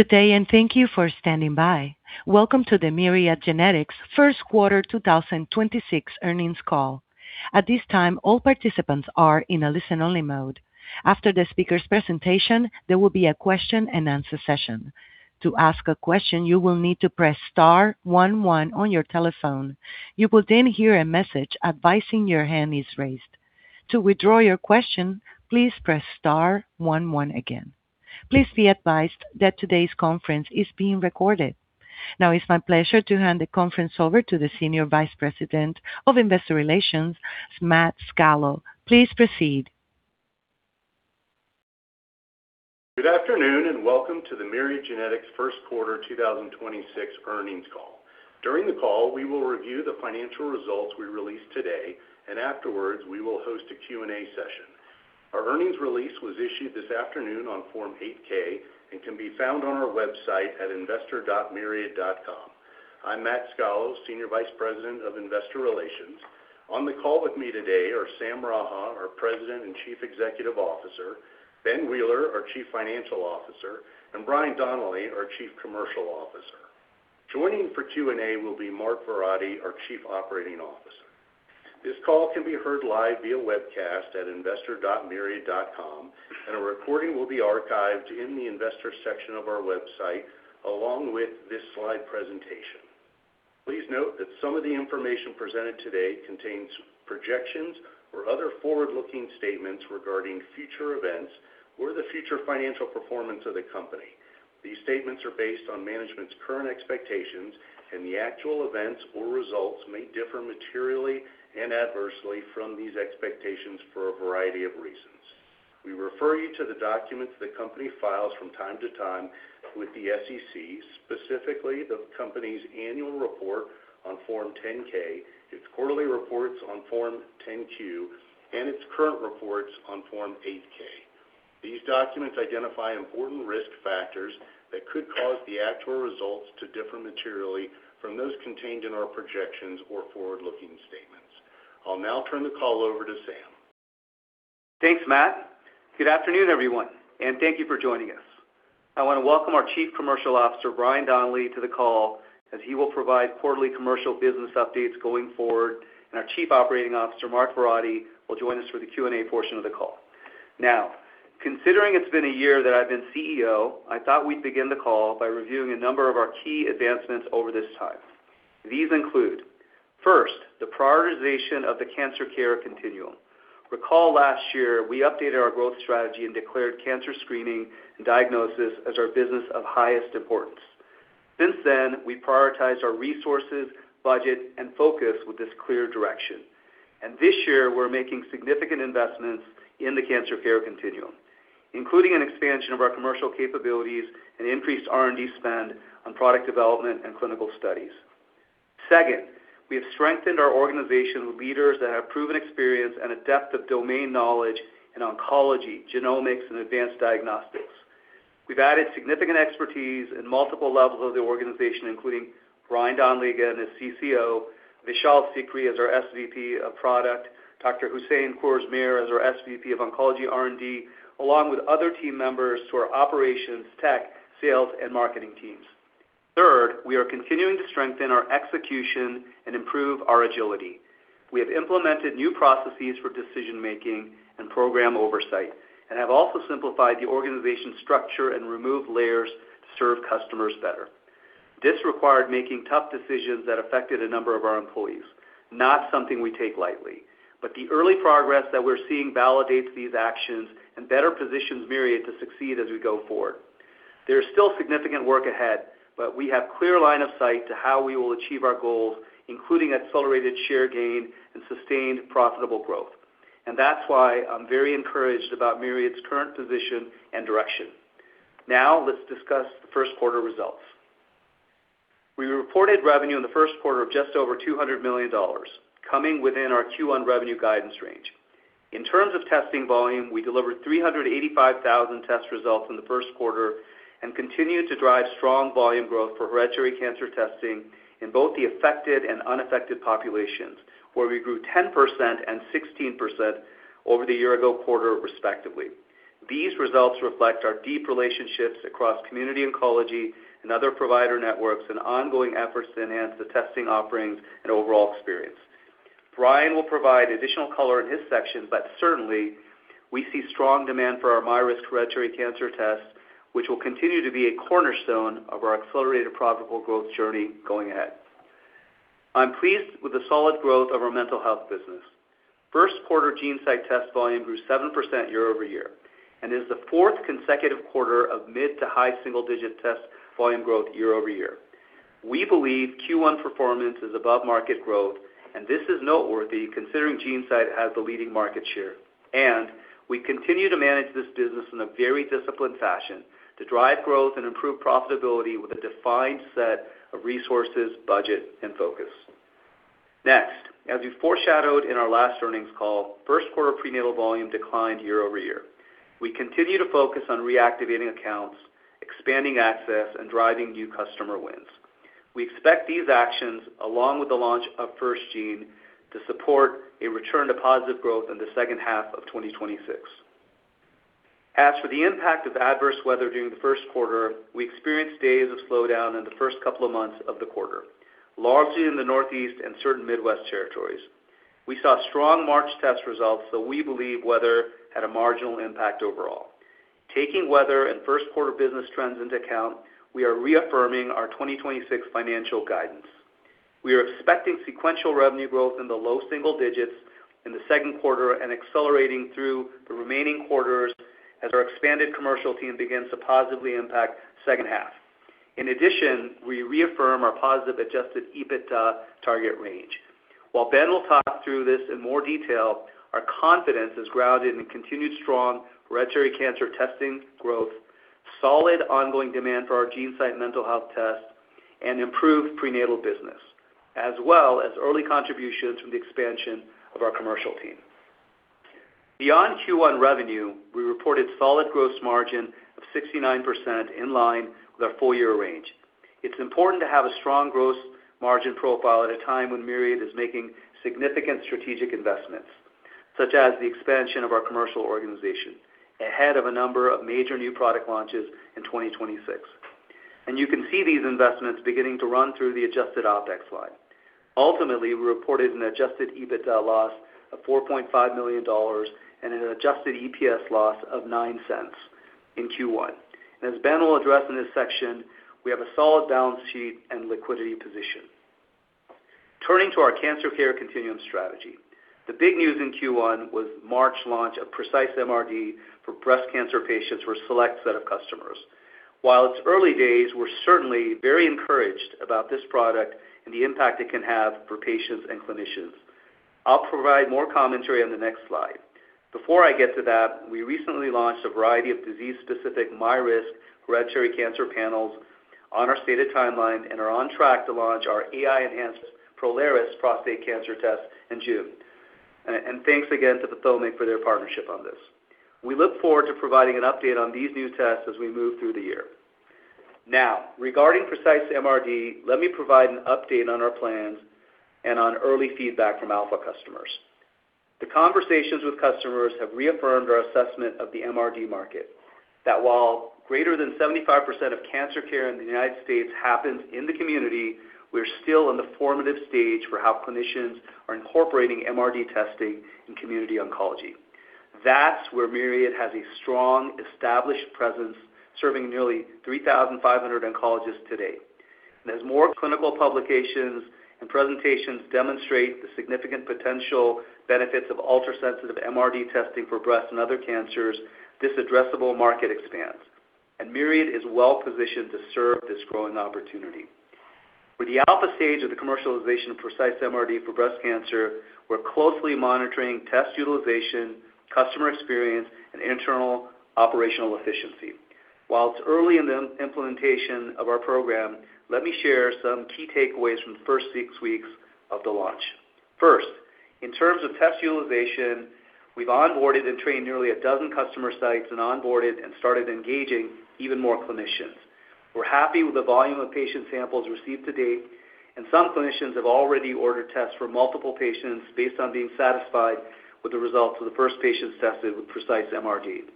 Today, and thank you for standing by. Welcome to the Myriad Genetics first quarter 2026 earnings call. At this time, all participants are in a listen-only mode. After the speaker's presentation, there will be a question-and-answer session. To ask a question, you will need to press star one one on your telephone. You will hear a message advising your hand is raised. To withdraw your question, please press star one one again. Please be advised that today's conference is being recorded. Now it's my pleasure to hand the conference over to the Senior Vice President of Investor Relations, Matt Scalo. Please proceed. Good afternoon, and welcome to the Myriad Genetics first quarter 2026 earnings call. During the call, we will review the financial results we released today, and afterwards, we will host a Q&A session. Our earnings release was issued this afternoon on Form 8-K and can be found on our website at investor.myriad.com. I'm Matt Scalo, Senior Vice President of Investor Relations. On the call with me today are Sam Raha, our President and Chief Executive Officer, Ben Wheeler, our Chief Financial Officer, and Brian Donnelly, our Chief Commercial Officer. Joining for Q&A will be Mark Verratti, our Chief Operating Officer. This call can be heard live via webcast at investor.myriad.com, and a recording will be archived in the investor section of our website along with this slide presentation. Please note that some of the information presented today contains projections or other forward-looking statements regarding future events or the future financial performance of the company. These statements are based on management's current expectations, the actual events or results may differ materially and adversely from these expectations for a variety of reasons. We refer you to the documents the company files from time to time with the SEC, specifically the company's annual report on Form 10-K, its quarterly reports on Form 10-Q, and its current reports on Form 8-K. These documents identify important risk factors that could cause the actual results to differ materially from those contained in our projections or forward-looking statements. I'll now turn the call over to Sam. Thanks, Matt. Good afternoon, everyone, and thank you for joining us. I want to welcome our Chief Commercial Officer, Brian Donnelly, to the call as he will provide quarterly commercial business updates going forward, and our Chief Operating Officer, Mark Verratti, will join us for the Q&A portion of the call. Now, considering it's been a year that I've been CEO, I thought we'd begin the call by reviewing a number of our key advancements over this time. These include, first, the prioritization of the cancer care continuum. Recall last year, we updated our growth strategy and declared cancer screening and diagnosis as our business of highest importance. Since then, we prioritize our resources, budget, and focus with this clear direction. This year, we're making significant investments in the cancer care continuum, including an expansion of our commercial capabilities and increased R&D spend on product development and clinical studies. Second, we have strengthened our organization with leaders that have proven experience and a depth of domain knowledge in oncology, genomics, and advanced diagnostics. We've added significant expertise in multiple levels of the organization, including Brian Donnelly, again, as CCO, Vishal Sikri as our SVP of Product, Dr. Hussain Khorrammehr as our SVP of Oncology R&D, along with other team members to our operations, tech, sales, and marketing teams. Third, we are continuing to strengthen our execution and improve our agility. We have implemented new processes for decision-making and program oversight and have also simplified the organization structure and removed layers to serve customers better. This required making tough decisions that affected a number of our employees, not something we take lightly. The early progress that we're seeing validates these actions and better positions Myriad to succeed as we go forward. There's still significant work ahead, but we have clear line of sight to how we will achieve our goals, including accelerated share gain and sustained profitable growth. That's why I'm very encouraged about Myriad current position and direction. Now, let's discuss the first quarter results. We reported revenue in the first quarter of just over $200 million, coming within our Q1 revenue guidance range. In terms of testing volume, we delivered 385,000 test results in the first quarter and continued to drive strong volume growth for hereditary cancer testing in both the affected and unaffected populations, where we grew 10% and 16% over the year-ago quarter, respectively. These results reflect our deep relationships across community oncology and other provider networks and ongoing efforts to enhance the testing offerings and overall experience. Brian will provide additional color in his section, but certainly we see strong demand for our MyRisk hereditary cancer test, which will continue to be a cornerstone of our accelerated profitable growth journey going ahead. I'm pleased with the solid growth of our mental health business. First quarter GeneSight test volume grew 7% year-over-year and is the fourth consecutive quarter of mid to high single-digit test volume growth year-over-year. We believe Q1 performance is above market growth, and this is noteworthy considering GeneSight has the leading market share, and we continue to manage this business in a very disciplined fashion to drive growth and improve profitability with a defined set of resources, budget, and focus. Next, as we foreshadowed in our last earnings call, first quarter prenatal volume declined year-over-year. We continue to focus on reactivating accounts, expanding access, and driving new customer wins. We expect these actions, along with the launch of FirstGene, to support a return to positive growth in the second half of 2026. As for the impact of adverse weather during the first quarter, we experienced days of slowdown in the first couple of months of the quarter, largely in the Northeast and certain Midwest territories. We saw strong March test results. We believe weather had a marginal impact overall. Taking weather and first quarter business trends into account, we are reaffirming our 2026 financial guidance. We are expecting sequential revenue growth in the low single digits in the second quarter and accelerating through the remaining quarters as our expanded commercial team begins to positively impact second half. In addition, we reaffirm our positive adjusted EBITDA target range. While Ben will talk through this in more detail, our confidence is grounded in continued strong hereditary cancer testing growth, solid ongoing demand for our GeneSight mental health test, and improved prenatal business, as well as early contributions from the expansion of our commercial team. Beyond Q1 revenue, we reported solid gross margin of 69% in line with our full year range. It's important to have a strong gross margin profile at a time when Myriad is making significant strategic investments, such as the expansion of our commercial organization, ahead of a number of major new product launches in 2026. You can see these investments beginning to run through the adjusted OpEx slide. Ultimately, we reported an adjusted EBITDA loss of $4.5 million and an adjusted EPS loss of $0.09 in Q1. As Ben will address in this section, we have a solid balance sheet and liquidity position. Turning to our cancer care continuum strategy, the big news in Q1 was March launch of Precise MRD for breast cancer patients for a select set of customers. While it's early days, we're certainly very encouraged about this product and the impact it can have for patients and clinicians. I'll provide more commentary on the next slide. Before I get to that, we recently launched a variety of disease-specific MyRisk hereditary cancer panels on our stated timeline and are on track to launch our AI-enhanced Prolaris prostate cancer test in June. Thanks again to Pathomics for their partnership on this. We look forward to providing an update on these new tests as we move through the year. Now, regarding Precise MRD, let me provide an update on our plans and on early feedback from alpha customers. The conversations with customers have reaffirmed our assessment of the MRD market, that while greater than 75% of cancer care in the United States happens in the community, we're still in the formative stage for how clinicians are incorporating MRD testing in community oncology. That's where Myriad has a strong, established presence, serving nearly 3,500 oncologists today. As more clinical publications and presentations demonstrate the significant potential benefits of ultrasensitive MRD testing for breast and other cancers, this addressable market expands, and Myriad is well-positioned to serve this growing opportunity. With the alpha stage of the commercialization of Precise MRD for breast cancer, we're closely monitoring test utilization, customer experience, and internal operational efficiency. While it's early in the implementation of our program, let me share some key takeaways from the first six weeks of the launch. First, in terms of test utilization, we've onboarded and trained nearly 12 customer sites and onboarded and started engaging even more clinicians. We're happy with the volume of patient samples received to date. Some clinicians have already ordered tests for multiple patients based on being satisfied with the results of the first patients tested with Precise MRD.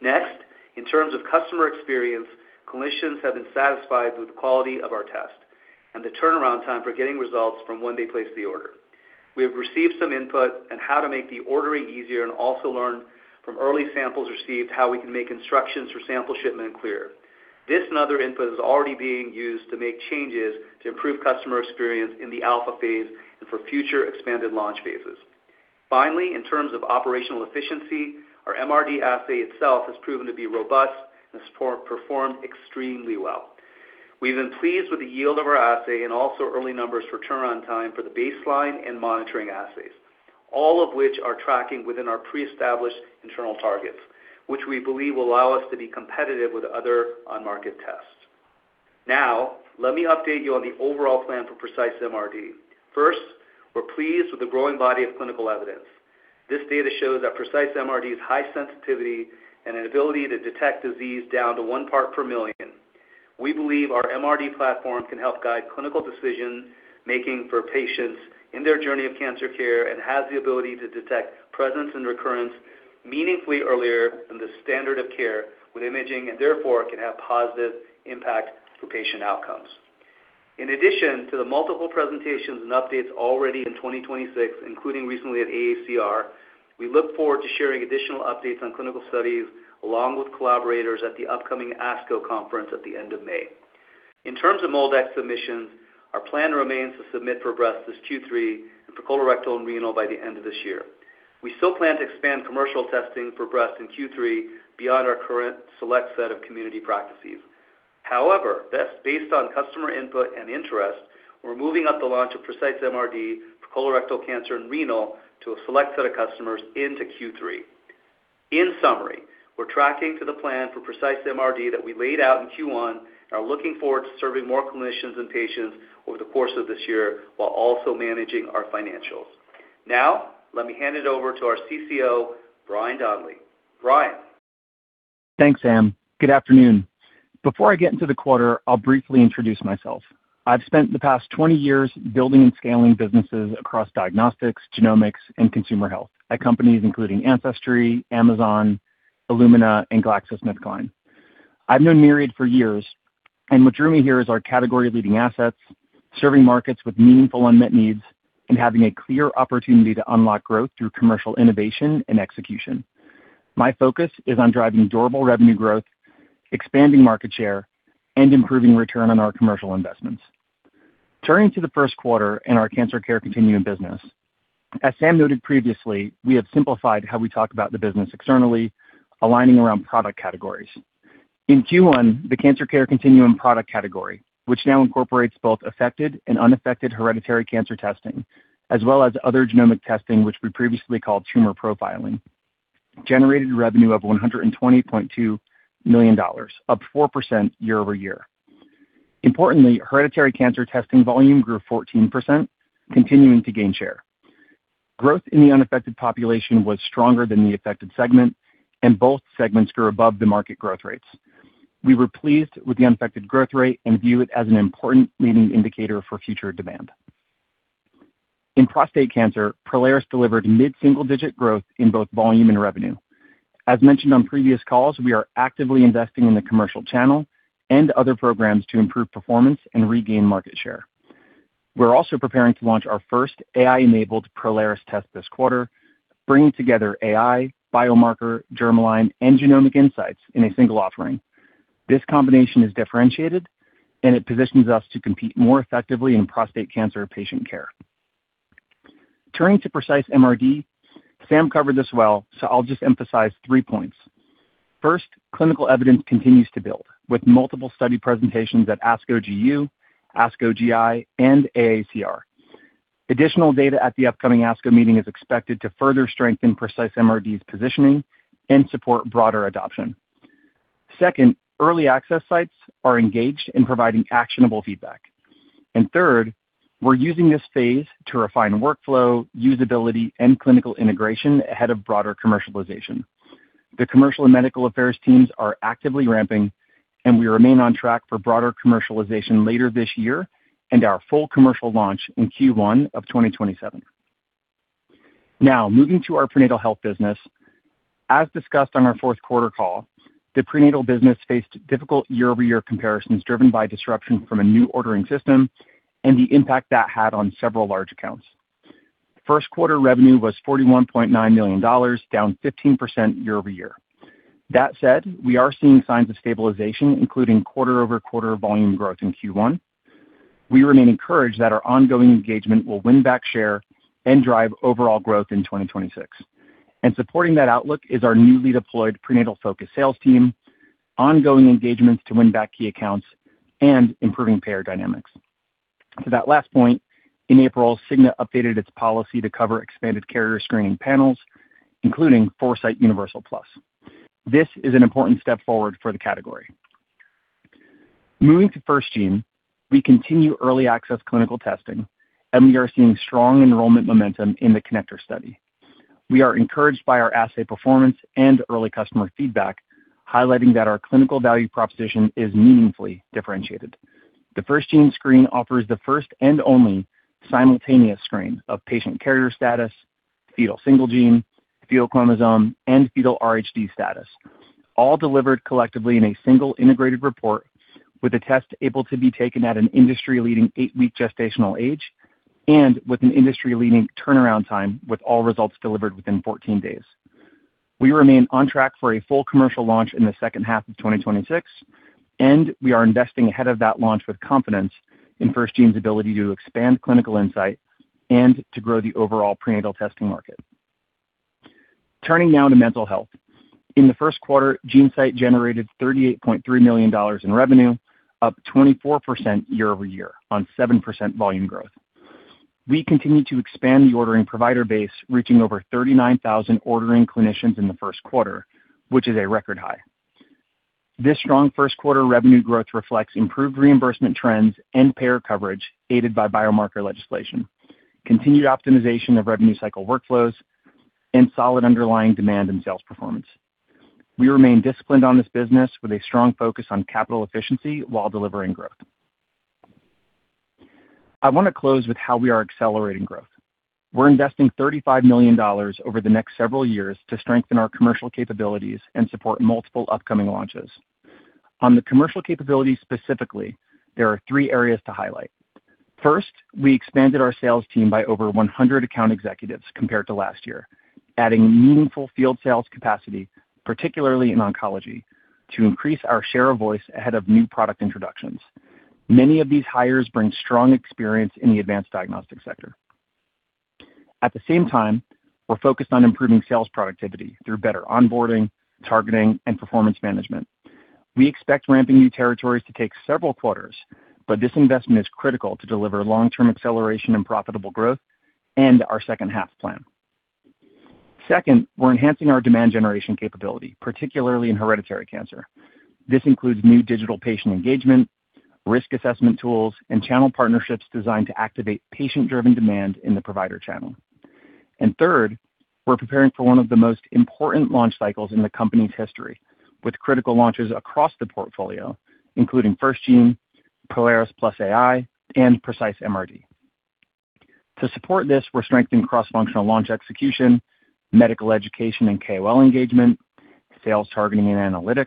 Next, in terms of customer experience, clinicians have been satisfied with the quality of our test and the turnaround time for getting results from when they place the order. We have received some input on how to make the ordering easier and also learned from early samples received how we can make instructions for sample shipment clearer. This other input is already being used to make changes to improve customer experience in the alpha phase and for future expanded launch phases. Finally, in terms of operational efficiency, our MRD assay itself has proven to be robust and has performed extremely well. We've been pleased with the yield of our assay and also early numbers for turnaround time for the baseline and monitoring assays, all of which are tracking within our pre-established internal targets, which we believe will allow us to be competitive with other on-market tests. Now, let me update you on the overall plan for Precise MRD. First, we're pleased with the growing body of clinical evidence. This data shows that Precise MRD's high sensitivity and an ability to detect disease down to one part per million. We believe our MRD platform can help guide clinical decision-making for patients in their journey of cancer care and has the ability to detect presence and recurrence meaningfully earlier than the standard of care with imaging, and therefore, can have positive impact to patient outcomes. In addition to the multiple presentations and updates already in 2026, including recently at AACR, we look forward to sharing additional updates on clinical studies along with collaborators at the upcoming ASCO conference at the end of May. In terms of MolDx submissions, our plan remains to submit for breast this Q3 and for colorectal and renal by the end of this year. We still plan to expand commercial testing for breast in Q3 beyond our current select set of community practices. However, based on customer input and interest, we're moving up the launch of Precise MRD for colorectal cancer and renal to a select set of customers into Q3. In summary, we're tracking to the plan for Precise MRD that we laid out in Q1 and are looking forward to serving more clinicians and patients over the course of this year while also managing our financials. Now, let me hand it over to our CCO, Brian Donnelly. Brian? Thanks, Sam. Good afternoon. Before I get into the quarter, I'll briefly introduce myself. I've spent the past 20 years building and scaling businesses across diagnostics, genomics, and consumer health at companies including Ancestry, Amazon, Illumina, and GlaxoSmithKline. I've known Myriad for years, what drew me here is our category-leading assets, serving markets with meaningful unmet needs, and having a clear opportunity to unlock growth through commercial innovation and execution. My focus is on driving durable revenue growth, expanding market share, and improving return on our commercial investments. Turning to the first quarter in our cancer care continuum business. As Sam noted previously, we have simplified how we talk about the business externally, aligning around product categories. In Q1, the cancer care continuum product category, which now incorporates both affected and unaffected hereditary cancer testing, as well as other genomic testing, which we previously called tumor profiling, generated revenue of $120.2 million, up 4% year-over-year. Importantly, hereditary cancer testing volume grew 14%, continuing to gain share. Growth in the unaffected population was stronger than the affected segment, and both segments grew above the market growth rates. We were pleased with the unaffected growth rate and view it as an important leading indicator for future demand. In prostate cancer, Prolaris delivered mid-single-digit growth in both volume and revenue. As mentioned on previous calls, we are actively investing in the commercial channel and other programs to improve performance and regain market share. We're also preparing to launch our first AI-enabled Prolaris test this quarter, bringing together AI, biomarker, germline, and genomic insights in a single offering. This combination is differentiated, it positions us to compete more effectively in prostate cancer patient care. Turning to Precise MRD, Sam covered this well, so I'll just emphasize three points. First, clinical evidence continues to build, with multiple study presentations at ASCO-GU, ASCO-GI, and AACR. Additional data at the upcoming ASCO meeting is expected to further strengthen Precise MRD's positioning and support broader adoption. Second, early access sites are engaged in providing actionable feedback. Third, we're using this phase to refine workflow, usability, and clinical integration ahead of broader commercialization. The commercial and medical affairs teams are actively ramping, and we remain on track for broader commercialization later this year and our full commercial launch in Q1 of 2027. Now, moving to our prenatal health business. As discussed on our fourth quarter call, the prenatal business faced difficult year-over-year comparisons driven by disruption from a new ordering system and the impact that had on several large accounts. First quarter revenue was $41.9 million, down 15% year-over-year. That said we are seeing signs of stabilization, including quarter-over-quarter volume growth in Q1. We remain encouraged that our ongoing engagement will win back share and drive overall growth in 2026. Supporting that outlook is our newly deployed prenatal-focused sales team, ongoing engagements to win back key accounts, and improving payer dynamics. To that last point, in April, Cigna updated its policy to cover expanded carrier screening panels, including Foresight Universal Plus. This is an important step forward for the category. Moving to FirstGene, we continue early access clinical testing, and we are seeing strong enrollment momentum in the CONNECTOR study. We are encouraged by our assay performance and early customer feedback, highlighting that our clinical value proposition is meaningfully differentiated. The FirstGene screen offers the first and only simultaneous screen of patient carrier status, fetal single gene, fetal chromosome, and fetal RHD status, all delivered collectively in a single integrated report with a test able to be taken at an industry-leading eight-week gestational age and with an industry-leading turnaround time, with all results delivered within 14 days. We remain on track for a full commercial launch in the second half of 2026, and we are investing ahead of that launch with confidence in FirstGene's ability to expand clinical insight and to grow the overall prenatal testing market. Turning now to mental health. In the first quarter, GeneSight generated $38.3 million in revenue, up 24% year-over-year on 7% volume growth. We continue to expand the ordering provider base, reaching over 39,000 ordering clinicians in the first quarter, which is a record high. This strong first quarter revenue growth reflects improved reimbursement trends and payer coverage aided by biomarker legislation, continued optimization of revenue cycle workflows, and solid underlying demand in sales performance. We remain disciplined on this business with a strong focus on capital efficiency while delivering growth. I want to close with how we are accelerating growth. We're investing $35 million over the next several years to strengthen our commercial capabilities and support multiple upcoming launches. On the commercial capabilities specifically, there are three areas to highlight. First, we expanded our sales team by over 100 account executives compared to last year, adding meaningful field sales capacity, particularly in oncology, to increase our share of voice ahead of new product introductions. Many of these hires bring strong experience in the advanced diagnostic sector. At the same time, we're focused on improving sales productivity through better onboarding, targeting, and performance management. We expect ramping new territories to take several quarters, but this investment is critical to deliver long-term acceleration and profitable growth and our second-half plan. Second, we're enhancing our demand generation capability, particularly in hereditary cancer. This includes new digital patient engagement, risk assessment tools, and channel partnerships designed to activate patient-driven demand in the provider channel. Third, we're preparing for one of the most important launch cycles in the company's history, with critical launches across the portfolio, including FirstGene, Prolaris+ AI, and Precise MRD. To support this, we're strengthening cross-functional launch execution, medical education and KOL engagement, sales targeting and analytics,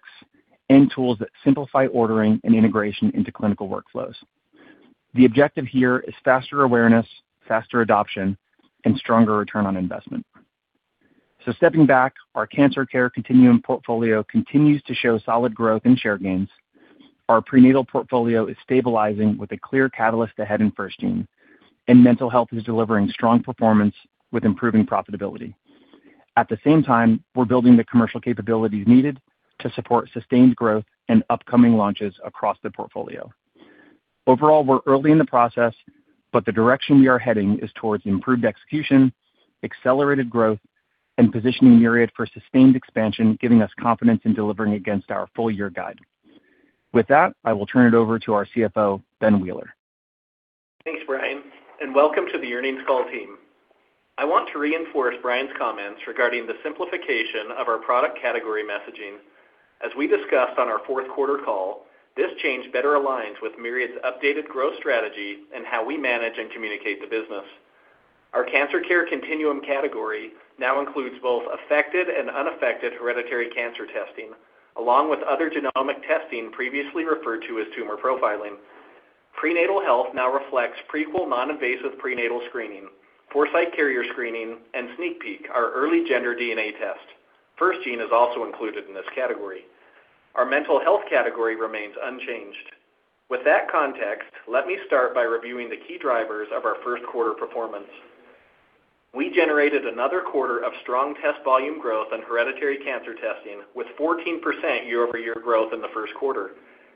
and tools that simplify ordering and integration into clinical workflows. The objective here is faster awareness, faster adoption, and stronger return on investment. Stepping back, our cancer care continuum portfolio continues to show solid growth and share gains, our prenatal portfolio is stabilizing with a clear catalyst ahead in FirstGene, and mental health is delivering strong performance with improving profitability. At the same time, we're building the commercial capabilities needed to support sustained growth and upcoming launches across the portfolio. Overall, we're early in the process, but the direction we are heading is towards improved execution, accelerated growth, and positioning Myriad for sustained expansion, giving us confidence in delivering against our full year guide. With that, I will turn it over to our CFO, Ben Wheeler. Thanks, Brian, and welcome to the earnings call team. I want to reinforce Brian's comments regarding the simplification of our product category messaging. As we discussed on our fourth quarter call, this change better aligns with Myriad's updated growth strategy and how we manage and communicate the business. Our cancer care continuum category now includes both affected and unaffected hereditary cancer testing, along with other genomic testing previously referred to as tumor profiling. Prenatal health now reflects Prequel non-invasive prenatal screening, Foresight carrier screening, and SneakPeek, our early gender DNA test. FirstGene is also included in this category. Our mental health category remains unchanged. With that context, let me start by reviewing the key drivers of our first quarter performance. We generated another quarter of strong test volume growth in hereditary cancer testing, with 14% year-over-year growth in the first quarter,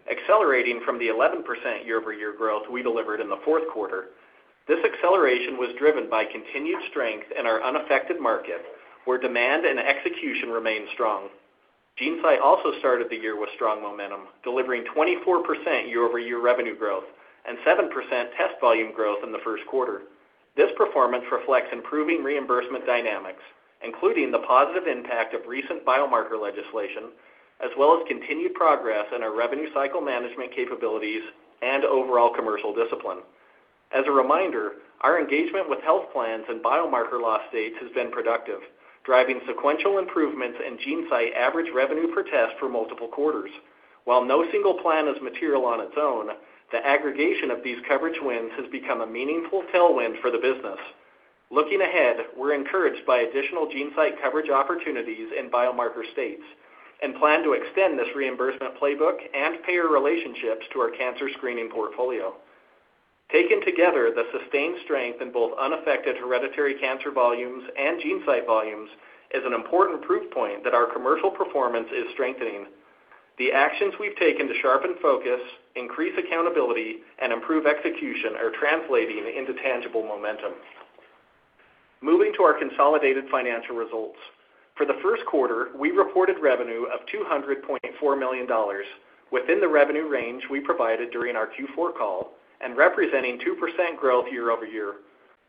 accelerating from the 11% year-over-year growth we delivered in the fourth quarter. This acceleration was driven by continued strength in our unaffected market, where demand and execution remained strong. GeneSight also started the year with strong momentum, delivering 24% year-over-year revenue growth and 7% test volume growth in the first quarter. This performance reflects improving reimbursement dynamics, including the positive impact of recent biomarker legislation, as well as continued progress in our revenue cycle management capabilities and overall commercial discipline. As a reminder, our engagement with health plans and biomarker law states has been productive, driving sequential improvements in GeneSight average revenue per test for multiple quarters. While no single plan is material on its own, the aggregation of these coverage wins has become a meaningful tailwind for the business. Looking ahead, we're encouraged by additional GeneSight coverage opportunities in biomarker states and plan to extend this reimbursement playbook and payer relationships to our cancer screening portfolio. Taken together, the sustained strength in both unaffected hereditary cancer volumes and GeneSight volumes is an important proof point that our commercial performance is strengthening. The actions we've taken to sharpen focus, increase accountability, and improve execution are translating into tangible momentum. Moving to our consolidated financial results. For the first quarter, we reported revenue of $200.4 million within the revenue range we provided during our Q4 call and representing 2% growth year-over-year.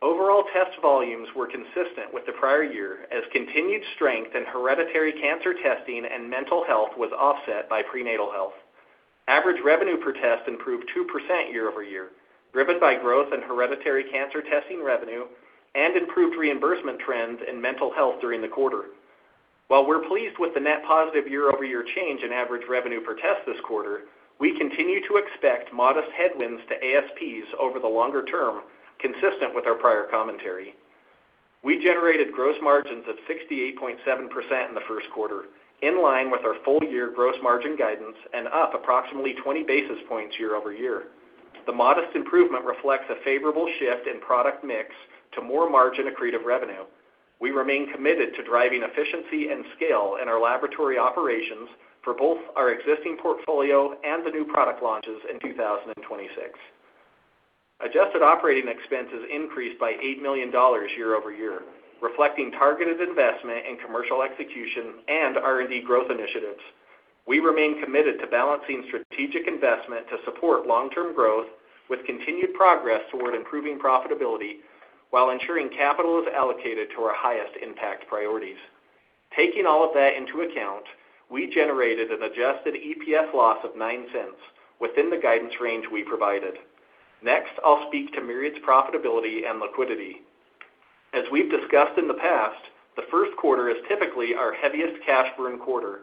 Overall test volumes were consistent with the prior year as continued strength in hereditary cancer testing and mental health was offset by prenatal health. Average revenue per test improved 2% year-over-year, driven by growth in hereditary cancer testing revenue and improved reimbursement trends in mental health during the quarter. While we're pleased with the net positive year-over-year change in average revenue per test this quarter, we continue to expect modest headwinds to ASPs over the longer term, consistent with our prior commentary. We generated gross margins of 68.7% in the first quarter, in line with our full year gross margin guidance and up approximately 20 basis points year-over-year. The modest improvement reflects a favorable shift in product mix to more margin accretive revenue. We remain committed to driving efficiency and scale in our laboratory operations for both our existing portfolio and the new product launches in 2026. Adjusted operating expenses increased by $8 million year-over-year, reflecting targeted investment in commercial execution and R&D growth initiatives. We remain committed to balancing strategic investment to support long-term growth with continued progress toward improving profitability while ensuring capital is allocated to our highest impact priorities. Taking all of that into account, we generated an adjusted EPS loss of $0.09 within the guidance range we provided. Next, I'll speak to Myriad's profitability and liquidity. As we've discussed in the past, the first quarter is typically our heaviest cash burn quarter,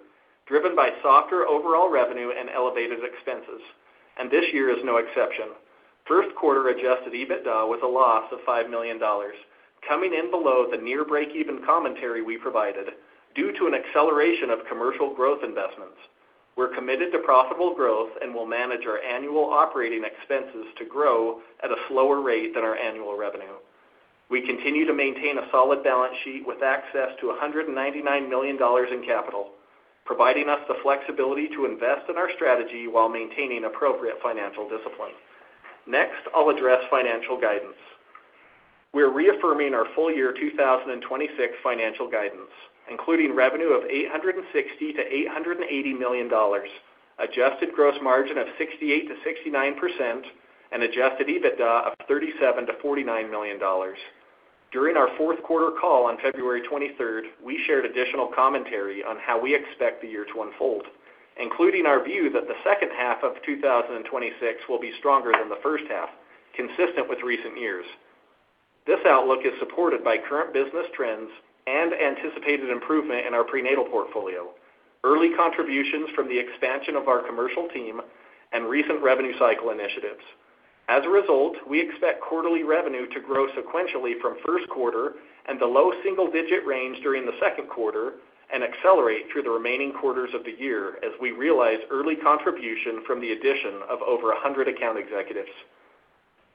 driven by softer overall revenue and elevated expenses, and this year is no exception. First quarter adjusted EBITDA was a loss of $5 million, coming in below the near breakeven commentary we provided due to an acceleration of commercial growth investments. We're committed to profitable growth and will manage our annual operating expenses to grow at a slower rate than our annual revenue. We continue to maintain a solid balance sheet with access to $199 million in capital, providing us the flexibility to invest in our strategy while maintaining appropriate financial discipline. Next, I'll address financial guidance. We're reaffirming our full year 2026 financial guidance, including revenue of $860 million-$880 million. Adjusted gross margin of 68%-69% and adjusted EBITDA of $37 million-$49 million. During our fourth quarter call on February 23rd, we shared additional commentary on how we expect the year to unfold, including our view that the second half of 2026 will be stronger than the first half, consistent with recent years. This outlook is supported by current business trends and anticipated improvement in our prenatal portfolio, early contributions from the expansion of our commercial team and recent revenue cycle initiatives. As a result, we expect quarterly revenue to grow sequentially from first quarter and the low single-digit range during the second quarter and accelerate through the remaining quarters of the year as we realize early contribution from the addition of over 100 account executives.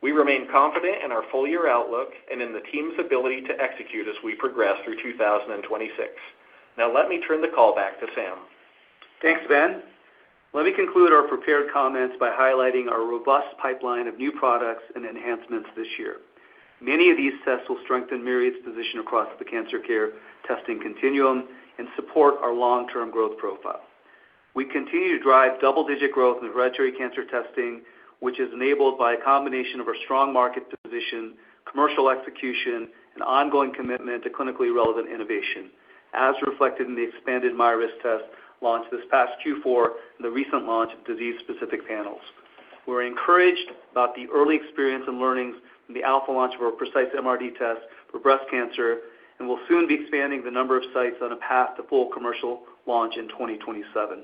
We remain confident in our full-year outlook and in the team's ability to execute as we progress through 2026. Now let me turn the call back to Sam. Thanks, Ben. Let me conclude our prepared comments by highlighting our robust pipeline of new products and enhancements this year. Many of these tests will strengthen Myriad's position across the cancer care testing continuum and support our long-term growth profile. We continue to drive double-digit growth in hereditary cancer testing, which is enabled by a combination of our strong market position, commercial execution, and ongoing commitment to clinically relevant innovation, as reflected in the expanded MyRisk test launched this past Q4 and the recent launch of disease-specific panels. We're encouraged about the early experience and learnings in the alpha launch of our Precise MRD test for breast cancer, and we'll soon be expanding the number of sites on a path to full commercial launch in 2027.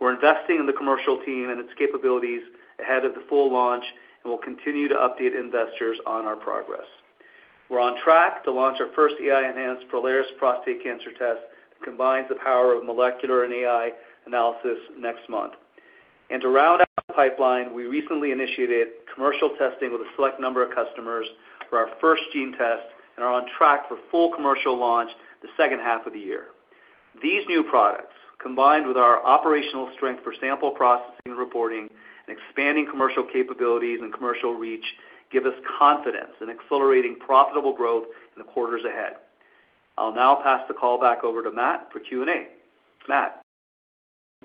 We're investing in the commercial team and its capabilities ahead of the full launch, and we'll continue to update investors on our progress. We're on track to launch our first AI-enhanced Prolaris prostate cancer test that combines the power of molecular and AI analysis next month. To round out our pipeline, we recently initiated commercial testing with a select number of customers for our FirstGene test and are on track for full commercial launch the second half of the year. These new products, combined with our operational strength for sample processing and reporting and expanding commercial capabilities and commercial reach, give us confidence in accelerating profitable growth in the quarters ahead. I'll now pass the call back over to Matt for Q&A. Matt.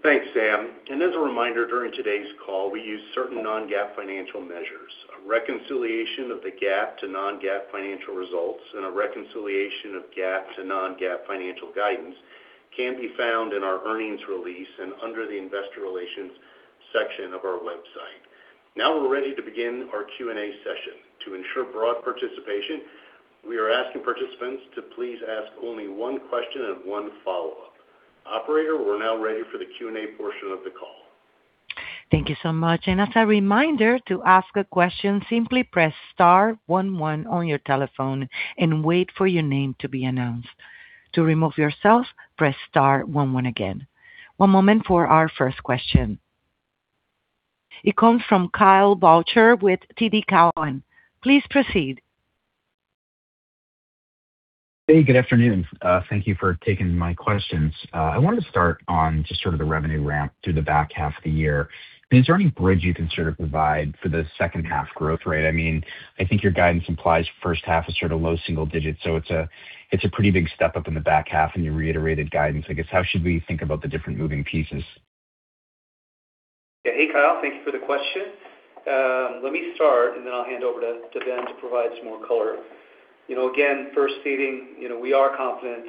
Thanks, Sam. As a reminder, during today's call, we use certain non-GAAP financial measures. A reconciliation of the GAAP to non-GAAP financial results and a reconciliation of GAAP to non-GAAP financial guidance can be found in our earnings release and under the investor relations section of our website. Now we're ready to begin our Q&A session. To ensure broad participation, we are asking participants to please ask only one question and one follow-up. Operator, we're now ready for the Q&A portion of the call. Thank you so much. As a reminder, to ask a question, simply press star one one on your telephone and wait for your name to be announced. To remove yourself, press star one one again. One moment for our first question. It comes from Kyle Boucher with TD Cowen. Please proceed. Hey, good afternoon. Thank you for taking my questions. I wanted to start on just sort of the revenue ramp through the back half of the year. Is there any bridge you can sort of provide for the second half growth rate? I mean, I think your guidance implies first half is sort of low single digits, so it's a pretty big step up in the back half in your reiterated guidance. I guess, how should we think about the different moving pieces? Hey, Kyle. Thank you for the question. Let me start and then I'll hand over to Ben to provide some more color. You know, again, first stating, you know, we are confident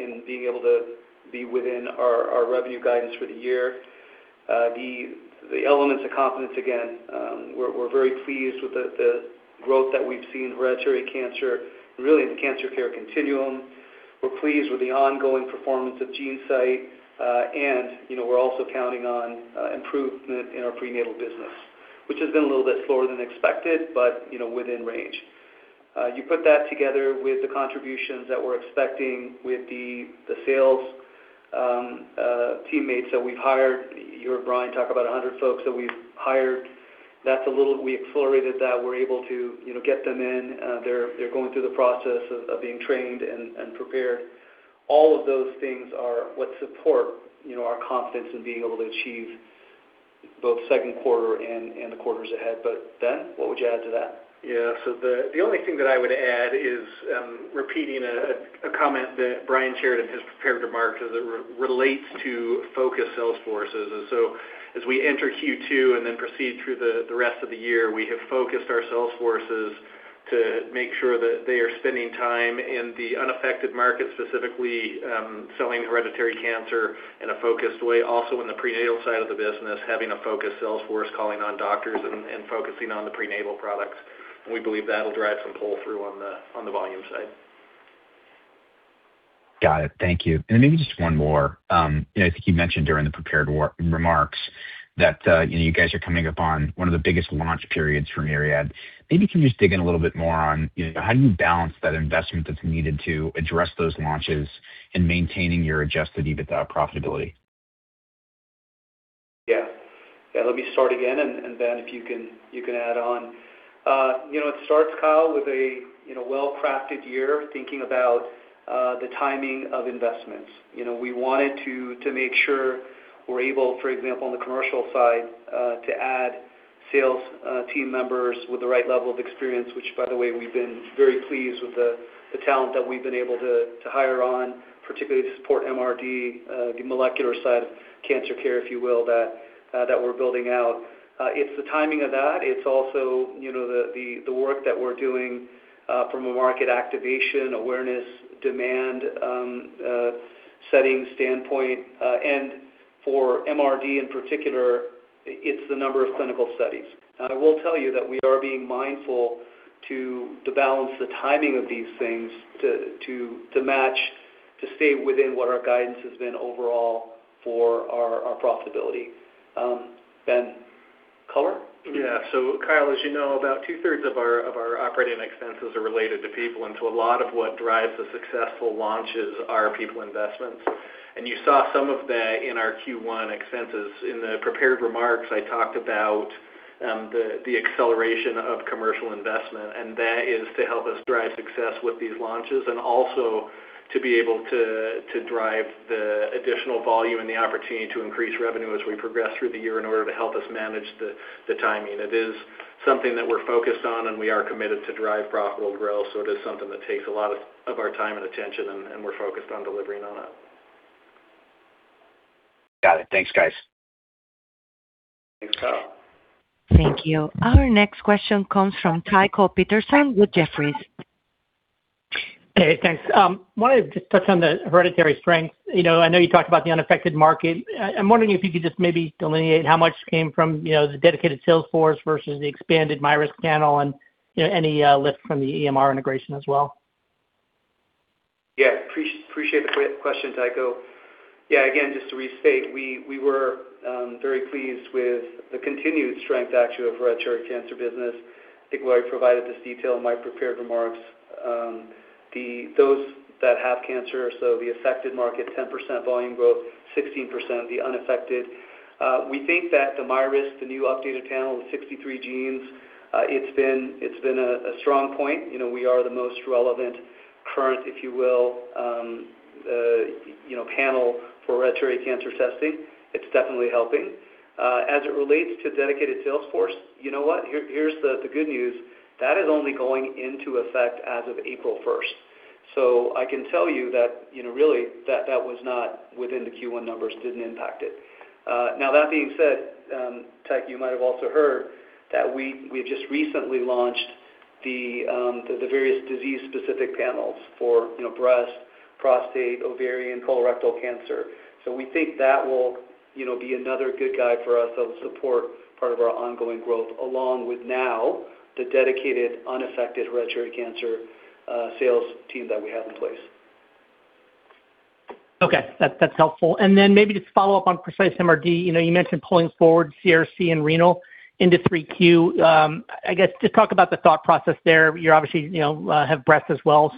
in being able to be within our revenue guidance for the year. The elements of confidence, again, we're very pleased with the growth that we've seen in hereditary cancer and really in the cancer care continuum. We're pleased with the ongoing performance of GeneSight, and you know, we're also counting on improvement in our prenatal business, which has been a little bit slower than expected, but you know, within range. You put that together with the contributions that we're expecting with the sales teammates that we've hired. You heard Brian talk about 100 folks that we've hired. That's a little bit fluid that we're able to, you know, get them in. They're going through the process of being trained and prepared. All of those things are what support, you know, our confidence in being able to achieve both second quarter and the quarters ahead. Ben, what would you add to that? Yes, the only thing that I would add is repeating a comment that Brian shared in his prepared remarks as it relates to focused sales forces. As we enter Q2 and then proceed through the rest of the year, we have focused our sales forces to make sure that they are spending time in the unaffected market, specifically selling hereditary cancer in a focused way. Also in the prenatal side of the business, having a focused sales force calling on doctors and focusing on the prenatal products. We believe that'll drive some pull-through on the volume side. Got it. Thank you. Maybe just one more. You know, I think you mentioned during the prepared remarks that, you know, you guys are coming up on one of the biggest launch periods for Myriad. Maybe can you just dig in a little bit more on, you know, how do you balance that investment that's needed to address those launches and maintaining your adjusted EBITDA profitability? Yeah, let me start again. Ben, if you can, you can add on. You know, it starts, Kyle, with a, you know, well-crafted year thinking about the timing of investments. You know, we wanted to make sure we're able, for example, on the commercial side, to add sales team members with the right level of experience, which by the way, we've been very pleased with the talent that we've been able to hire on, particularly to support MRD, the molecular side of cancer care, if you will, that we're building out. It's the timing of that. It's also, you know, the work that we're doing from a market activation, awareness, demand, setting standpoint. For MRD in particular, it's the number of clinical studies. I will tell you that we are being mindful to balance the timing of these things to match, to stay within what our guidance has been overall for our profitability. Ben, color? Kyle, as you know, about two-thirds of our operating expenses are related to people. A lot of what drives the successful launches are people investments. You saw some of that in our Q1 expenses. In the prepared remarks, I talked about the acceleration of commercial investment, and that is to help us drive success with these launches and also to be able to drive the additional volume and the opportunity to increase revenue as we progress through the year in order to help us manage the timing. It is something that we're focused on, and we are committed to drive profitable growth, so it is something that takes a lot of our time and attention and we're focused on delivering on it. Got it. Thanks, guys. Thanks, Kyle. Thank you. Our next question comes from Tycho Peterson with Jefferies. Hey, thanks. Wanted to just touch on the hereditary strength. You know, I know you talked about the unaffected market. I'm wondering if you could just maybe delineate how much came from, you know, the dedicated sales force versus the expanded MyRisk panel and, you know, any lift from the EMR integration as well. Yeah. Appreciate the question, Tycho. Yeah, again, just to restate, we were very pleased with the continued strength actually of our hereditary cancer business. I think where I provided this detail in my prepared remarks, those that have cancer, so the affected market, 10% volume growth, 16% of the unaffected. We think that the MyRisk, the new updated panel with 63 genes, it's been a strong point. You know, we are the most relevant current, if you will, you know, panel for hereditary cancer testing. It's definitely helping. As it relates to dedicated sales force, you know what? Here's the good news. That is only going into effect as of April 1st. I can tell you that, you know, really, that was not within the Q1 numbers, didn't impact it. Now that being said, Tycho, you might have also heard that we've just recently launched the various disease-specific panels for, you know, breast, prostate, ovarian, colorectal cancer. We think that will, you know, be another good guide for us that'll support part of our ongoing growth, along with now the dedicated unaffected hereditary cancer sales team that we have in place. Okay. That's helpful. Then maybe just follow up on Precise MRD. You know, you mentioned pulling forward CRC and renal into 3Q. I guess just talk about the thought process there. You obviously, you know, have breast as well.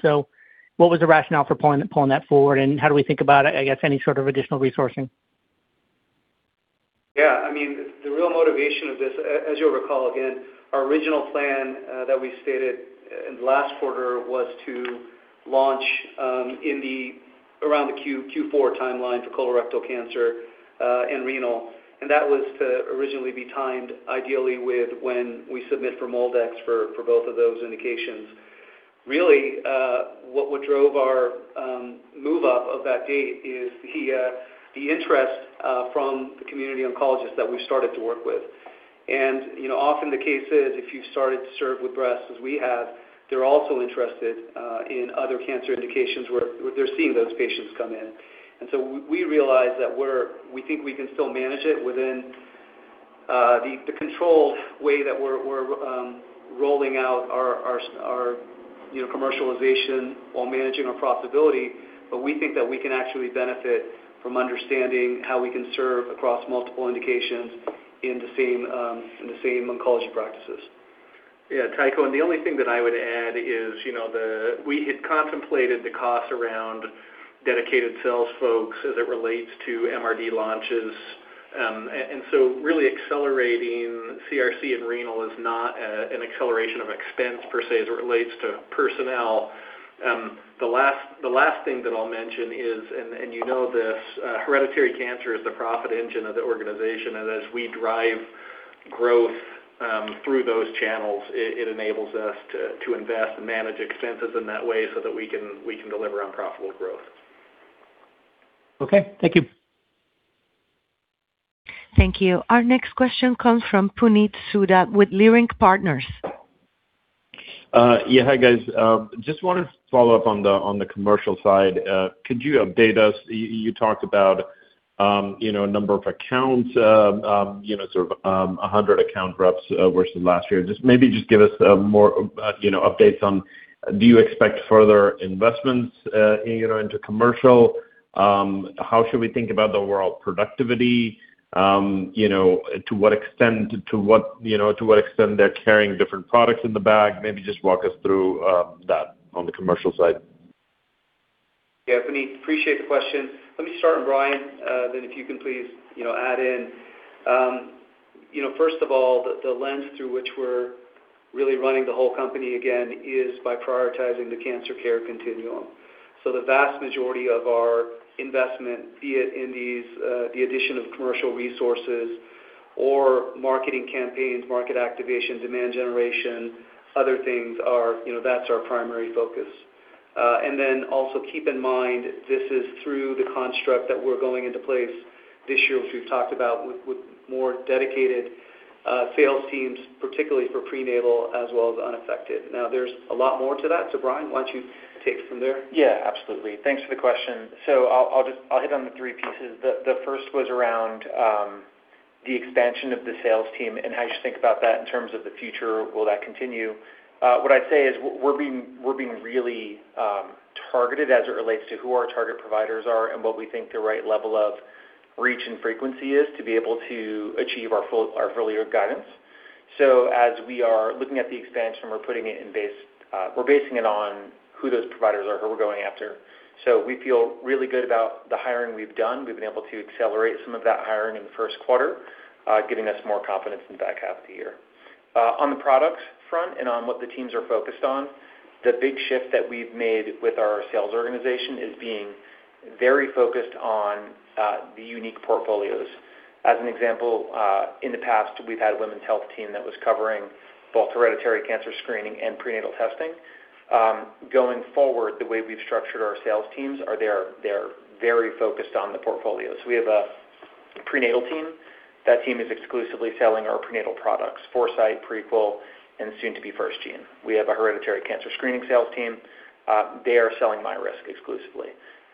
What was the rationale for pulling that forward, and how do we think about, I guess, any sort of additional resourcing? Yeah. I mean, the real motivation of this, as you'll recall, again, our original plan that we stated in the last quarter was to launch around the Q4 timeline for colorectal cancer and renal. That was to originally be timed ideally with when we submit for MolDX for both of those indications. Really, what drove our move up of that date is the interest from the community oncologists that we've started to work with. You know, often the case is if you started to serve with breast as we have, they're also interested in other cancer indications where they're seeing those patients come in. We realize that we think we can still manage it within the controlled way that we're rolling out our, you know, commercialization while managing our profitability. We think that we can actually benefit from understanding how we can serve across multiple indications in the same oncology practices. Yeah, Tycho, the only thing that I would add is, you know, we had contemplated the cost around dedicated sales folks as it relates to MRD launches. Really accelerating CRC and renal is not an acceleration of expense per se as it relates to personnel. The last thing that I'll mention is, you know this, hereditary cancer is the profit engine of the organization. As we drive growth, through those channels, it enables us to invest and manage expenses in that way so that we can deliver on profitable growth. Okay. Thank you. Thank you. Our next question comes from Puneet Souda with Leerink Partners. Yeah. Hi, guys. Just wanted to follow up on the, on the commercial side. Could you update us? You talked about, you know, number of accounts, you know, sort of, 100 account reps, versus last year. Maybe just give us, more, you know, updates on do you expect further investments, you know, into commercial? How should we think about the overall productivity? You know, to what extent, you know, to what extent they're carrying different products in the bag? Maybe just walk us through, that on the commercial side. Puneet, appreciate the question. Let me start with Brian, if you can please, you know, add in. You know, first of all, the lens through which we're really running the whole company again is by prioritizing the cancer care continuum. The vast majority of our investment, be it in these, the addition of commercial resources or marketing campaigns, market activation, demand generation, other things are, you know, that's our primary focus. Also keep in mind, this is through the construct that we're going into place this year, which we've talked about with more dedicated sales teams, particularly for prenatal as well as unaffected. There's a lot more to that. Brian, why don't you take it from there? Yeah, absolutely. Thanks for the question. I'll hit on the three pieces. The first was around the expansion of the sales team and how you should think about that in terms of the future, will that continue? What I'd say is we're being really targeted as it relates to who our target providers are and what we think the right level of reach and frequency is to be able to achieve our full year guidance. As we are looking at the expansion, we're putting it in base, we're basing it on who those providers are, who we're going after. We feel really good about the hiring we've done. We've been able to accelerate some of that hiring in the first quarter, giving us more confidence in the back half of the year. On the product front and on what the teams are focused on, the big shift that we've made with our sales organization is being very focused on the unique portfolios. As an example, in the past, we've had a women's health team that was covering both hereditary cancer screening and prenatal testing. Going forward, the way we've structured our sales teams are they are very focused on the portfolios. We have a prenatal team. That team is exclusively selling our prenatal products: Foresight, Prequel, and soon to be FirstGene. We have a hereditary cancer screening sales team. They are selling MyRisk exclusively.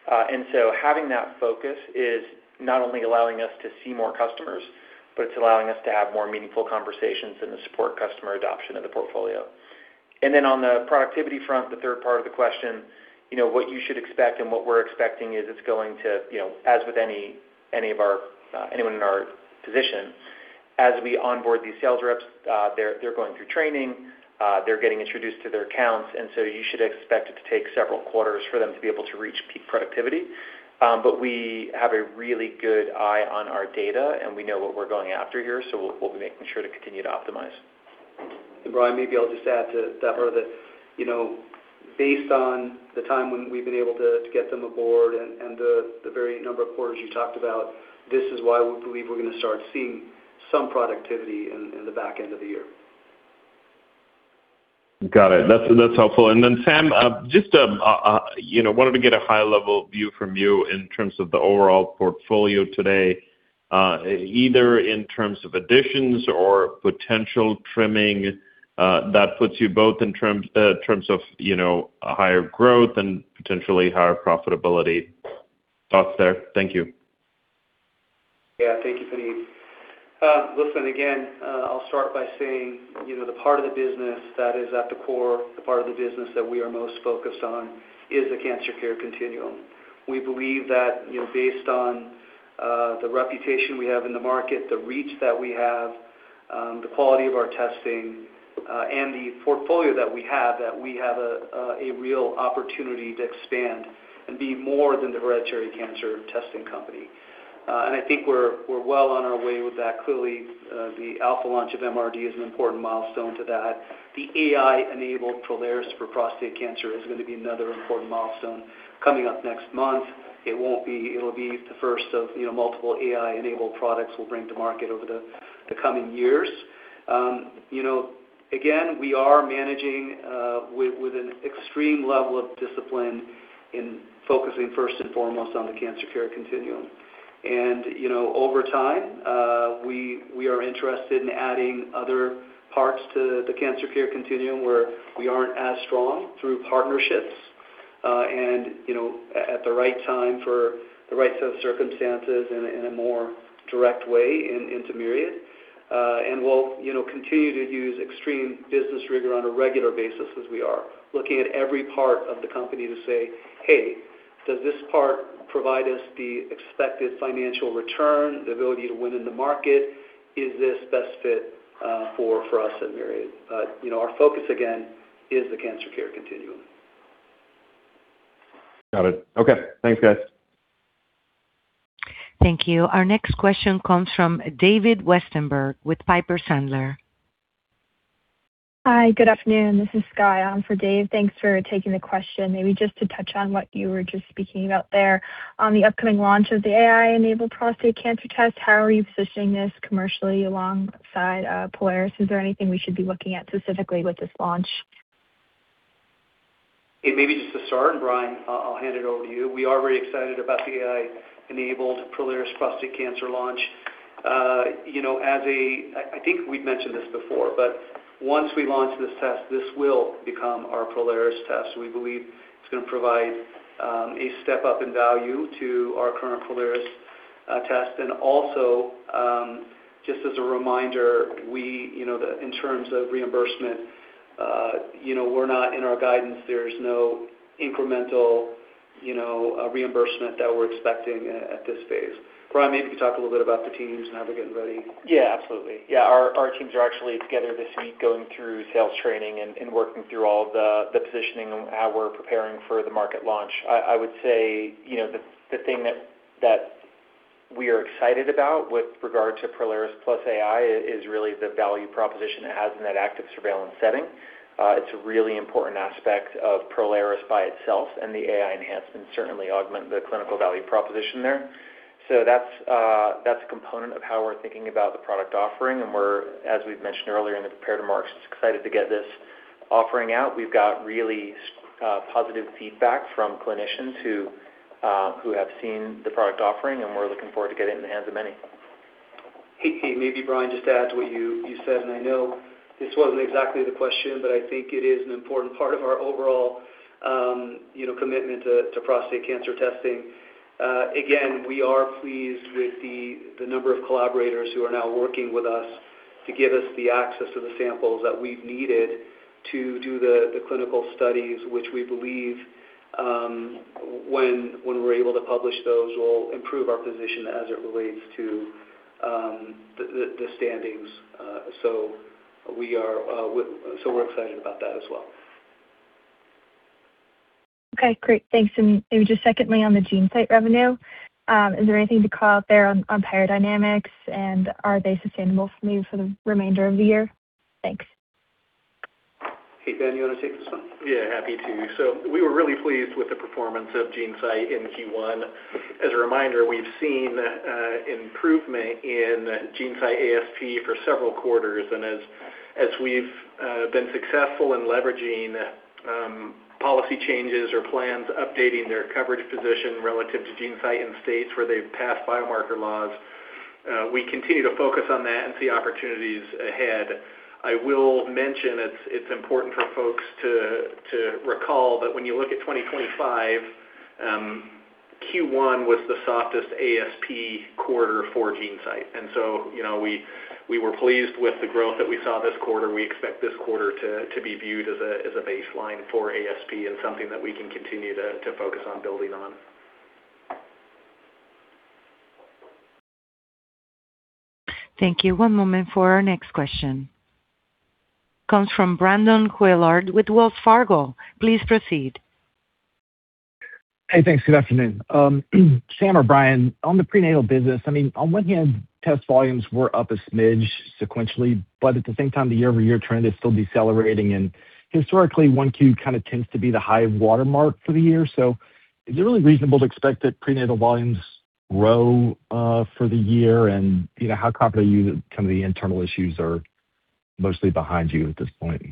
Having that focus is not only allowing us to see more customers, but it's allowing us to have more meaningful conversations and to support customer adoption of the portfolio. On the productivity front, the third part of the question, what you should expect and what we're expecting is it's going to, as with any of our, anyone in our position, as we onboard these sales reps, they're going through training, they're getting introduced to their accounts, you should expect it to take several quarters for them to be able to reach peak productivity. We have a really good eye on our data, and we know what we're going after here, we'll be making sure to continue to optimize. Brian, maybe I'll just add to that further that, you know, based on the time when we've been able to get them aboard and the very number of quarters you talked about, this is why we believe we're going to start seeing some productivity in the back end of the year. Got it. That's helpful. Sam, just, you know, wanted to get a high-level view from you in terms of the overall portfolio today, either in terms of additions or potential trimming, that puts you both in terms of, you know, higher growth and potentially higher profitability. Thoughts there? Thank you. Yeah. Thank you, Puneet. Listen, again, I'll start by saying, you know, the part of the business that is at the core, the part of the business that we are most focused on is the cancer care continuum. We believe that, you know, based on the reputation we have in the market, the reach that we have, the quality of our testing, and the portfolio that we have, that we have a real opportunity to expand and be more than the hereditary cancer testing company. I think we're well on our way with that. Clearly, the alpha launch of MRD is an important milestone to that. The AI-enabled Prolaris for prostate cancer is going to be another important milestone coming up next month. It'll be the first of, you know, multiple AI-enabled products we'll bring to market over the coming years. You know, again, we are managing with an extreme level of discipline in focusing first and foremost on the cancer care continuum. You know, over time, we are interested in adding other parts to the cancer care continuum where we aren't as strong through partnerships, and, you know, at the right time for the right set of circumstances in a more direct way into Myriad. We'll, you know, continue to use extreme business rigor on a regular basis as we are looking at every part of the company to say, "Hey, does this part provide us the expected financial return, the ability to win in the market? Is this best fit for us at Myriad?" You know, our focus again is the cancer care continuum. Got it. Okay. Thanks, guys. Thank you. Our next question comes from David Westenberg with Piper Sandler. Hi. Good afternoon. This is Skye on for Dave. Thanks for taking the question. Maybe just to touch on what you were just speaking about there. On the upcoming launch of the AI-enabled prostate cancer test, how are you positioning this commercially alongside Prolaris? Is there anything we should be looking at specifically with this launch? Hey, maybe just to start, Brian, I'll hand it over to you. We are very excited about the AI-enabled Prolaris prostate cancer launch. You know, I think we've mentioned this before, Once we launch this test, this will become our Prolaris test. We believe it's going to provide a step up in value to our current Prolaris test. Also, just as a reminder, we, you know, in terms of reimbursement, you know, we're not in our guidance, there's no incremental, you know, reimbursement that we're expecting at this phase. Brian, maybe you could talk a little bit about the teams and how they're getting ready. Yeah, absolutely. Yeah, our teams are actually together this week going through sales training and working through all the positioning and how we're preparing for the market launch. I would say, you know, the thing that we are excited about with regard to Prolaris+ AI is really the value proposition it has in that active surveillance setting. It's a really important aspect of Prolaris by itself, the AI enhancements certainly augment the clinical value proposition there. That's a component of how we're thinking about the product offering, we're, as we've mentioned earlier in the prepared remarks, just excited to get this offering out. We've got really positive feedback from clinicians who have seen the product offering, we're looking forward to get it in the hands of many. Hey, maybe Brian, just to add to what you said, I know this wasn't exactly the question, but I think it is an important part of our overall, you know, commitment to prostate cancer testing. Again, we are pleased with the number of collaborators who are now working with us to give us the access to the samples that we've needed to do the clinical studies, which we believe, when we're able to publish those, will improve our position as it relates to the standings. We are, so we're excited about that as well. Okay, great. Thanks. Maybe just secondly on the GeneSight revenue, is there anything to call out there on payer dynamics and are they sustainable for maybe for the remainder of the year? Thanks. Hey, Ben, you wanna take this one? Yeah, happy to. We were really pleased with the performance of GeneSight in Q1. As a reminder, we've seen improvement in GeneSight ASP for several quarters. As we've been successful in leveraging policy changes or plans updating their coverage position relative to GeneSight in states where they've passed biomarker laws, we continue to focus on that and see opportunities ahead. I will mention it's important for folks to recall that when you look at 2025, Q1 was the softest ASP quarter for GeneSight. You know, we were pleased with the growth that we saw this quarter. We expect this quarter to be viewed as a baseline for ASP and something that we can continue to focus on building on. Thank you. One moment for our next question. Comes from Brandon Couillard with Wells Fargo. Please proceed. Hey, thanks. Good afternoon. Sam or Brian, on the prenatal business, I mean, on one hand, test volumes were up a smidge sequentially, at the same time, the year-over-year trend is still decelerating. Historically, 1Q kinda tends to be the high watermark for the year. Is it really reasonable to expect that prenatal volumes grow for the year? You know, how confident are you that some of the internal issues are mostly behind you at this point?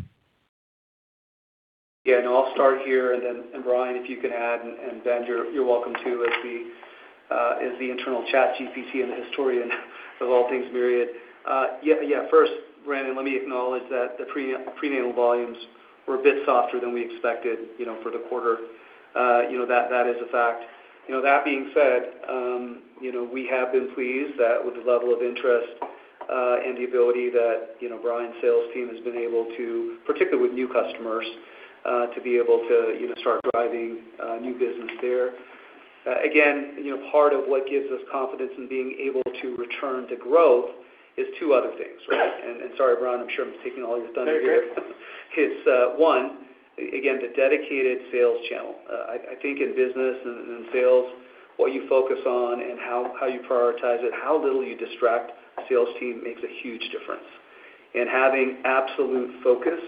Yeah, no, I'll start here, then, Brian, if you can add, Ben, you're welcome too as the internal ChatGPT and the historian of all things Myriad. First, Brandon, let me acknowledge that the prenatal volumes were a bit softer than we expected, you know, for the quarter. You know, that is a fact. You know, that being said, we have been pleased with the level of interest and the ability that, you know, Brian's sales team has been able to, particularly with new customers, to be able to, you know, start driving new business there. Again, you know, part of what gives us confidence in being able to return to growth is two other things, right? Sorry, Brian, I'm sure I'm taking all this time here. No, you're great. One, again, the dedicated sales channel. I think in business and sales, what you focus on and how you prioritize it, how little you distract sales team makes a huge difference. Having absolute focus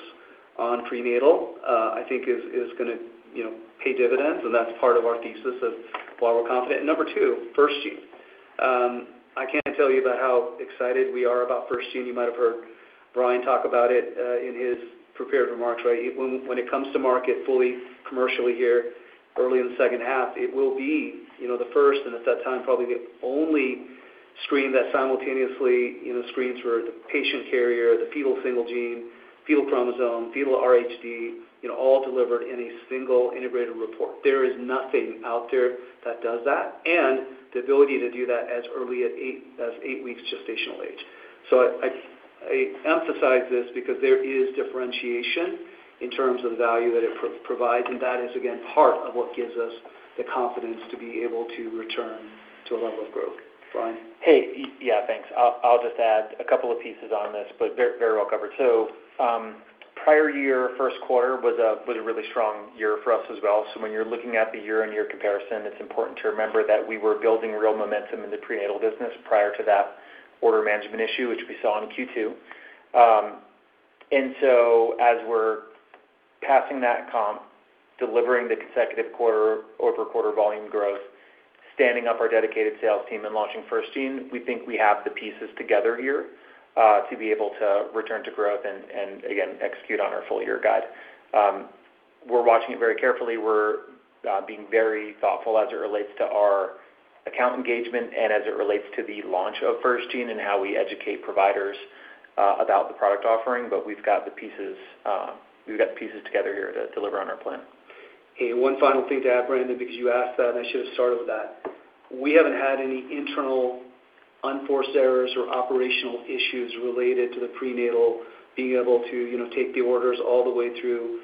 on prenatal, I think is gonna, you know, pay dividends, and that's part of our thesis of why we're confident. Number two, FirstGene. I can't tell you about how excited we are about FirstGene. You might have heard Brian talk about it in his prepared remarks, right? When it comes to market fully commercially here early in the second half, it will be, you know, the first, and at that time, probably the only screen that simultaneously, you know, screens for the patient carrier, the fetal single gene, fetal chromosome, fetal RHD, you know, all delivered in a single integrated report. There is nothing out there that does that, and the ability to do that as early as eight weeks gestational age. I emphasize this because there is differentiation in terms of the value that it provides, and that is again, part of what gives us the confidence to be able to return to a level of growth. Brian? Hey, yeah, thanks. I'll just add a couple of pieces on this, but very, very well covered. Prior year first quarter was a really strong year for us as well. When you're looking at the year-on-year comparison, it's important to remember that we were building real momentum in the prenatal business prior to that order management issue, which we saw in Q2. As we're passing that comp, delivering the consecutive quarter-over-quarter volume growth, standing up our dedicated sales team and launching FirstGene, we think we have the pieces together here to be able to return to growth and again, execute on our full year guide. We're watching it very carefully. We're being very thoughtful as it relates to our account engagement and as it relates to the launch of FirstGene and how we educate providers about the product offering. We've got the pieces together here to deliver on our plan. Hey, one final thing to add, Brandon, because you asked that, and I should have started with that. We haven't had any internal unforced errors or operational issues related to the prenatal being able to, you know, take the orders all the way through,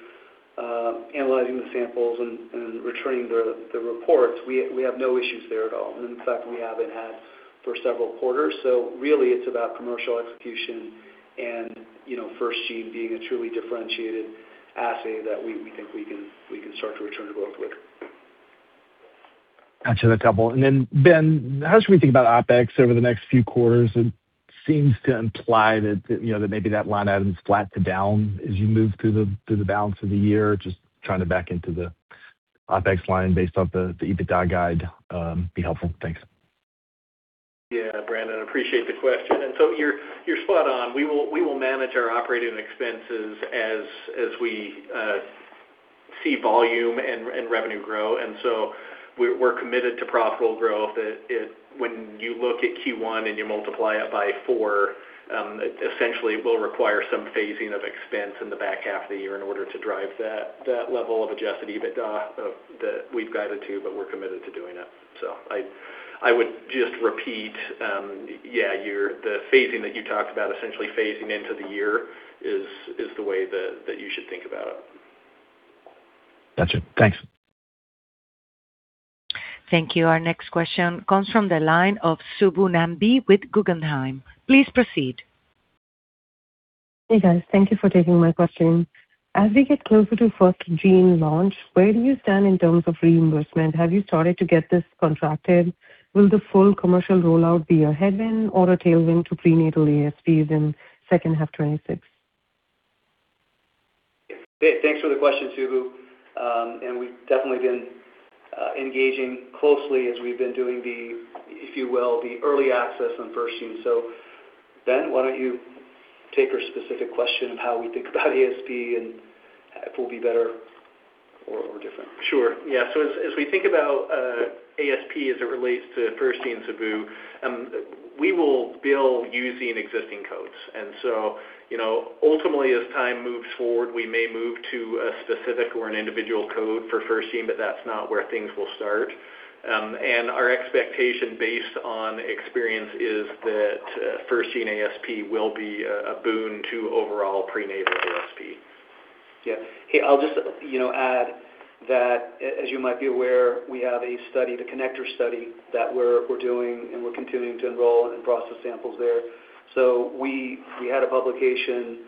analyzing the samples and returning the reports. We have no issues there at all. In fact, we haven't had for several quarters. Really it's about commercial execution and, you know, FirstGene being a truly differentiated assay that we think we can start to return to growth from there. Touch on a couple. Ben, how should we think about OpEx over the next few quarters? It seems to imply that, you know, that maybe that line item is flat to down as you move through the balance of the year. Just trying to back into the OpEx line based off the EBITDA guide, be helpful. Thanks. Yeah, Brandon, appreciate the question. You're spot on. We will manage our operating expenses as we see volume and revenue grow. We're committed to profitable growth. When you look at Q1 and you multiply it by four, essentially it will require some phasing of expense in the back half of the year in order to drive that level of adjustability that we've guided to, but we're committed to doing it. I would just repeat, the phasing that you talked about, essentially phasing into the year is the way that you should think about it. Gotcha. Thanks. Thank you. Our next question comes from the line of Subbu Nambi with Guggenheim. Please proceed. Hey, guys. Thank you for taking my question. As we get closer to FirstGene launch, where do you stand in terms of reimbursement? Have you started to get this contracted? Will the full commercial rollout be a headwind or a tailwind to prenatal ASPs in second half 2026? Thanks for the question, Subbu. We've definitely been engaging closely as we've been doing the, if you will, the early access on FirstGene. Ben, why don't you take her specific question of how we think about ASP and if we'll be better or different? Sure. Yeah. As we think about ASP as it relates to FirstGene, Subbu, we will bill using existing codes. You know, ultimately, as time moves forward, we may move to a specific or an individual code for FirstGene, but that's not where things will start. Our expectation based on experience is that FirstGene ASP will be a boon to overall prenatal ASP. Yeah. Hey, I'll just, you know, add that as you might be aware, we have a study, the CONNECTOR study that we're doing, and we're continuing to enroll and process samples there. We had a publication.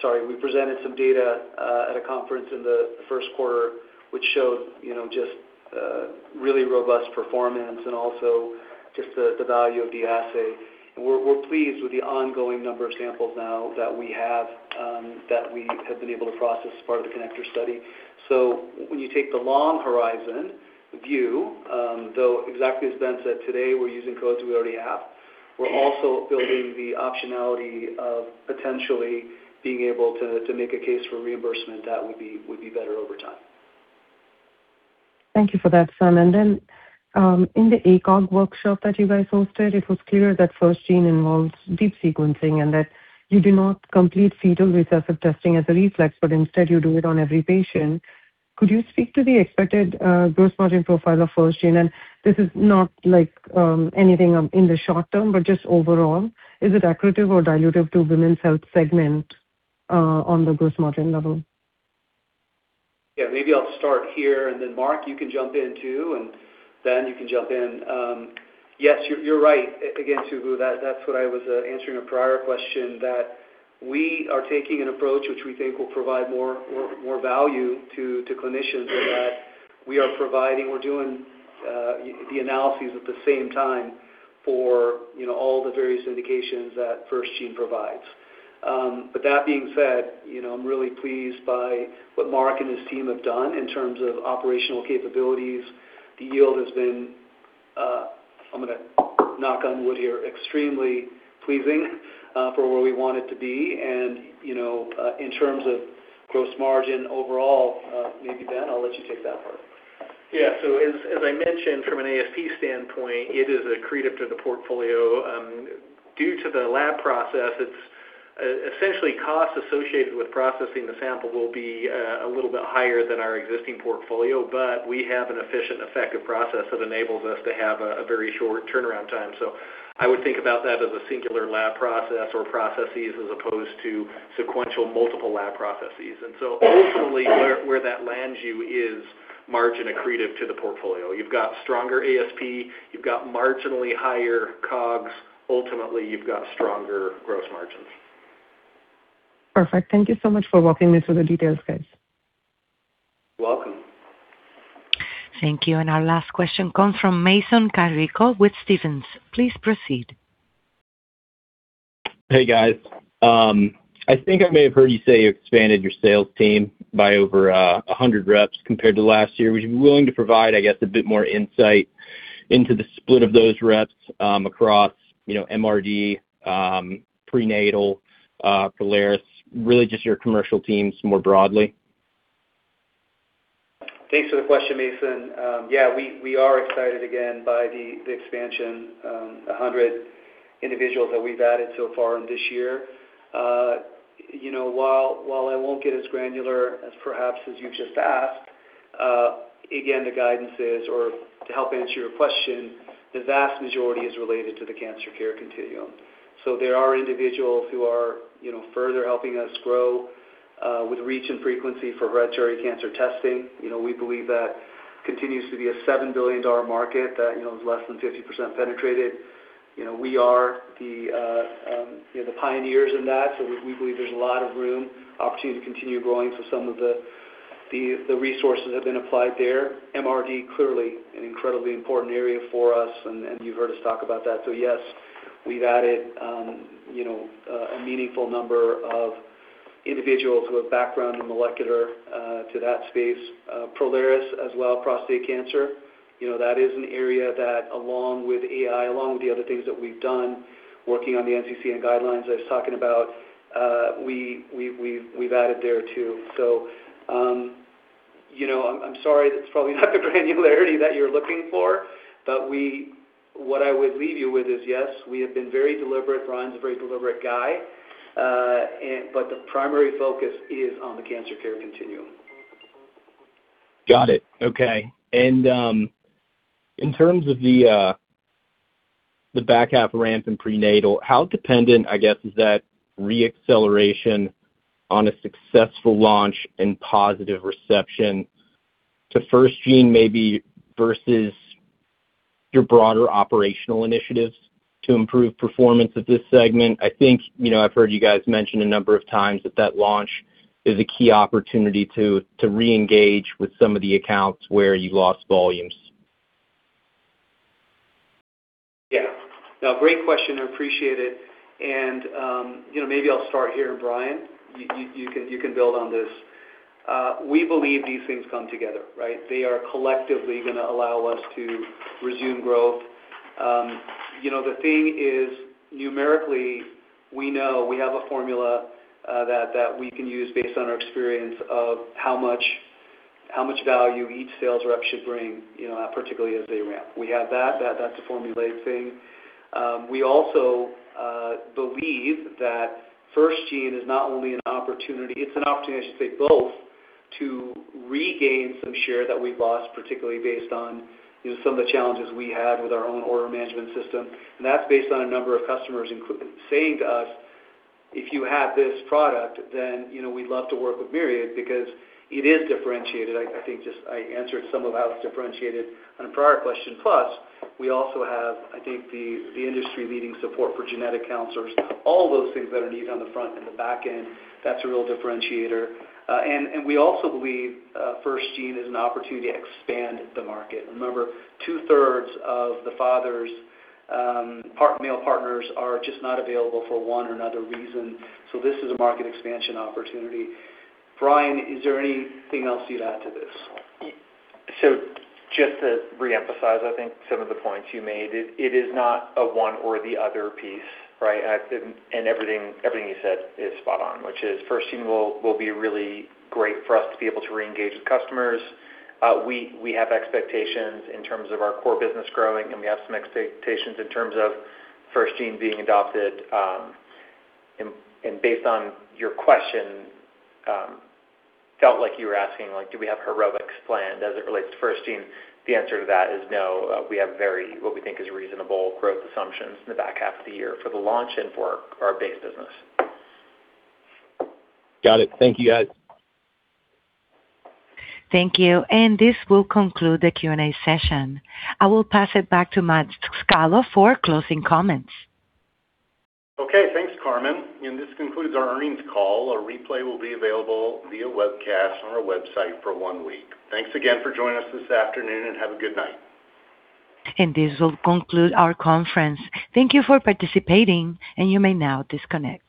Sorry, we presented some data at a conference in the first quarter, which showed, you know, just really robust performance and also just the value of the assay. We're pleased with the ongoing number of samples now that we have that we have been able to process as part of the CONNECTOR study. When you take the long horizon view, though exactly as Ben said, today we're using codes we already have. We're also building the optionality of potentially being able to make a case for reimbursement that would be better over time. Thank you for that, Sam. And then in the ACOG workshop that you guys hosted, it was clear that FirstGene involves deep sequencing and that you do not complete fetal recessive testing as a reflex, but instead you do it on every patient. Could you speak to the expected gross margin profile of FirstGene? This is not anything in the short term, but just overall, is it accretive or dilutive to women's health segment on the gross margin level? Yeah, maybe I'll start here, and then Mark, you can jump in too, and then you can jump in. Yes, you're right. Again, Subbu, that's what I was answering a prior question that we are taking an approach which we think will provide more, more, more value to clinicians in that we are providing, we're doing the analyses at the same time for, you know, all the various indications that FirstGene provides. That being said, you know, I'm really pleased by what Mark and his team have done in terms of operational capabilities. The yield has been, I'm gonna knock on wood here, extremely pleasing for where we want it to be. You know, in terms of gross margin overall, maybe Ben, I'll let you take that part. Yeah. As I mentioned from an ASP standpoint, it is accretive to the portfolio. Due to the lab process, it's essentially costs associated with processing the sample will be a little bit higher than our existing portfolio, but we have an efficient, effective process that enables us to have a very short turnaround time. I would think about that as a singular lab process or processes as opposed to sequential multiple lab processes. Ultimately where that lands you is margin accretive to the portfolio. You've got stronger ASP, you've got marginally higher COGS. Ultimately, you've got stronger gross margins. Perfect. Thank you so much for walking me through the details, guys. Welcome. Thank you. Our last question comes from Mason Carrico with Stephens. Please proceed. Hey, guys. I think I may have heard you say you expanded your sales team by over 100 reps compared to last year. Would you be willing to provide, I guess, a bit more insight into the split of those reps across, you know, MRD, prenatal, Prolaris, really just your commercial teams more broadly? Thanks for the question, Mason. Yeah, we are excited again by the expansion, 100 individuals that we've added so far in this year. You know, while I won't get as granular as perhaps as you just asked, again, the guidance is, or to help answer your question, the vast majority is related to the cancer care continuum. There are individuals who are, you know, further helping us grow with reach and frequency for hereditary cancer testing. You know, we believe that continues to be a $7 billion market that, you know, is less than 50% penetrated. You know, we are, you know, the pioneers in that, we believe there's a lot of room, opportunity to continue growing. Some of the resources have been applied there. MRD clearly an incredibly important area for us, and you've heard us talk about that. Yes, we've added, you know, a meaningful number of individuals who have background in molecular to that space. Prolaris as well, prostate cancer. You know, that is an area that along with AI, along with the other things that we've done working on the NCCN guidelines I was talking about, we've added there too. You know, I'm sorry, that's probably not the granularity that you're looking for. What I would leave you with is, yes, we have been very deliberate. Brian's a very deliberate guy. The primary focus is on the cancer care continuum. Got it. Okay. In terms of the back half ramp in prenatal, how dependent, I guess, is that re-acceleration on a successful launch and positive reception to FirstGene maybe, versus your broader operational initiatives to improve performance of this segment? I think, you know, I've heard you guys mention a number of times that that launch is a key opportunity to reengage with some of the accounts where you lost volumes. Yeah. No, great question. I appreciate it. You know, maybe I'll start here, and Brian, you can build on this. We believe these things come together, right? They are collectively gonna allow us to resume growth. You know, the thing is, numerically, we know we have a formula that we can use based on our experience of how much value each sales rep should bring, you know, particularly as they ramp. We have that's a formulated thing. We also believe that FirstGene is not only an opportunity, it's an opportunity both to regain some share that we've lost, particularly based on, you know, some of the challenges we had with our own order management system. That's based on a number of customers saying to us, "If you have this product, then, you know, we'd love to work with Myriad because it is differentiated." I think just I answered some of how it's differentiated on a prior question. We also have, I think, the industry-leading support for genetic counselors. All those things that are needed on the front and the back end, that's a real differentiator. We also believe FirstGene is an opportunity to expand the market. Remember, two-thirds of the fathers, male partners are just not available for one or another reason, so this is a market expansion opportunity. Brian, is there anything else you'd add to this? Just to reemphasize some of the points you made, it is not a one or the other piece, right? Everything you said is spot on, which is FirstGene will be really great for us to be able to reengage with customers. We have expectations in terms of our core business growing, and we have some expectations in terms of FirstGene being adopted. Based on your question, felt like you were asking, do we have heroics planned as it relates to FirstGene? The answer to that is no. We have very, what we think is reasonable growth assumptions in the back half of the year for the launch and for our base business. Got it. Thank you, guys. Thank you. This will conclude the Q&A session. I will pass it back to Matt Scalo for closing comments. Okay, thanks, Carmen. This concludes our earnings call. A replay will be available via webcast on our website for one week. Thanks again for joining us this afternoon, and have a good night. This will conclude our conference. Thank you for participating, and you may now disconnect.